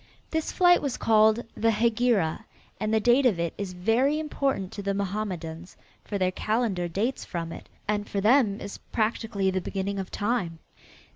This flight was called the "Hegira," and the date of it is very important to the Mohammedans, for their calendar dates from it, and for them is practically the beginning of time.